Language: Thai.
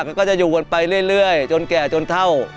มันก็จะอยู่กันไปเรื่อยจนแก่จนเท่า